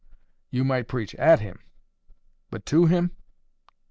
You might preach AT him; but TO him?